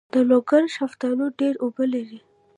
د لوګر شفتالو ډیر اوبه لري.